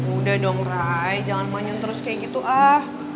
udah dong ray jangan mainnya terus kayak gitu ah